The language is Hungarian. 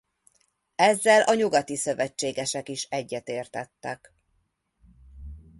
Ezzel a nyugati szövetségesek is egyetértettek.